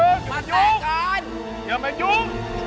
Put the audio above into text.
อย่าไปยุ่งมาแต่ก่อนอย่าไปยุ่ง